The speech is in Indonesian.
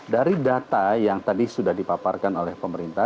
dari data yang tadi sudah dipaparkan oleh pemerintah